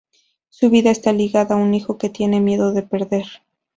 Su vida está ligada a un hijo que tiene miedo de perder.